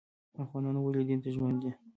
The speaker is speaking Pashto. افغانان ولې دین ته ژمن دي؟